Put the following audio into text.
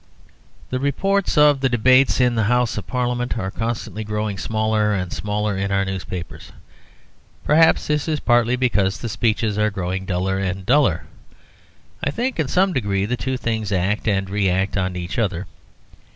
The reports of the debates in the Houses of Parliament are constantly growing smaller and smaller in our newspapers. Perhaps this is partly because the speeches are growing duller and duller. I think in some degree the two things act and re act on each other.